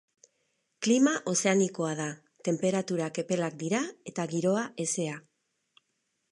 Klima ozeanikoa da, tenperaturak epelak dira eta giroa hezea.